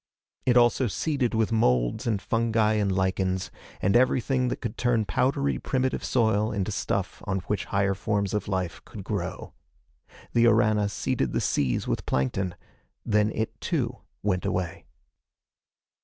It also seeded with moulds and fungi and lichens, and everything that could turn powdery primitive soil into stuff on which higher forms of life could grow. The Orana seeded the seas with plankton. Then it, too, went away.